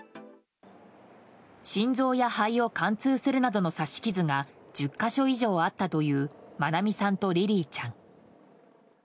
心臓や肺を貫通するなどの刺し傷が１０か所以上あったという愛美さんとリリィちゃん。